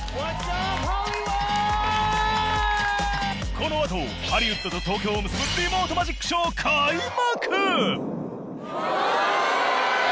この後ハリウッドと東京を結ぶリモートマジックＳＨＯＷ開幕！